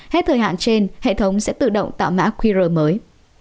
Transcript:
hết thời hạn trên hệ thống sẽ tự động tạo mã qr mới